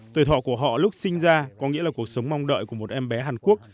tuổi thọ của họ lúc sinh ra có nghĩa là cuộc sống mong đợi của một em bé hàn quốc